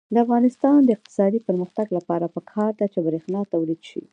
د افغانستان د اقتصادي پرمختګ لپاره پکار ده چې برښنا تولید شي.